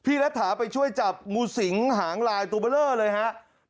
พี่รัดหาไปช่วยจับโง่สิงหางลายตัวเบลอเลยครับ